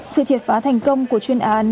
sự triệt phá thành công của chuyên án